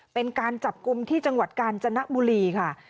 เป็นการจับกลุ่มที่จังหวัดกาญจนบุรีค่ะ